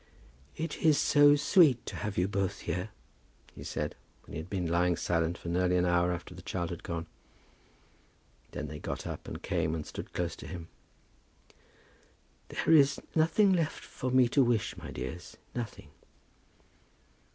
"It is so sweet to have you both here," he said, when he had been lying silent for nearly an hour after the child had gone. Then they got up, and came and stood close to him. "There is nothing left for me to wish, my dears; nothing."